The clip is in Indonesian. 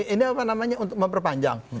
ini apa namanya untuk memperpanjang